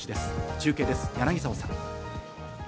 中継です、柳沢さん。